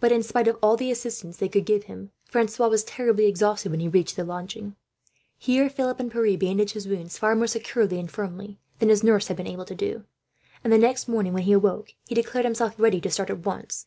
But in spite of all the assistance they could give him, Francois was terribly exhausted when he reached the lodging. Here Philip and Pierre bandaged his wounds, far more securely and firmly than his nurse had been able to do; and the next morning, when he awoke, he declared himself ready to start at once.